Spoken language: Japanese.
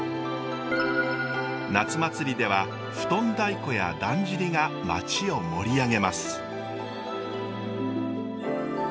夏祭りでは布団太鼓やだんじりが町を盛り上げます。